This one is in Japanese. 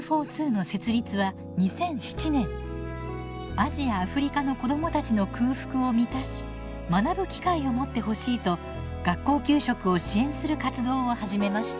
アジア・アフリカの子どもたちの空腹を満たし学ぶ機会を持ってほしいと学校給食を支援する活動を始めました。